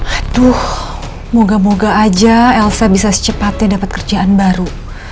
aduh moga moga aja elsa bisa secepatnya dapat kerjaan baru